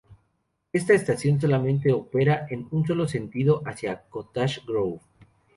Esta estación solamente opera en un sólo sentido hacia Cottage Grove.